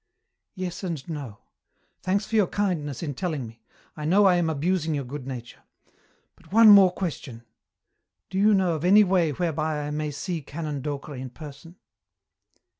"Yes and no. Thanks for your kindness in telling me I know I am abusing your good nature but one more question. Do you know of any way whereby I may see Canon Docre in person?"